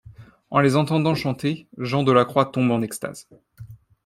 En les entendant chanter, Jean de la Croix tombe en extase.